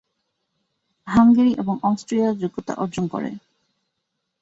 Hungary এবং Austria যোগ্যতা অর্জন করে।